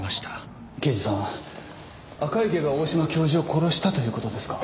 刑事さん赤池が大島教授を殺したという事ですか？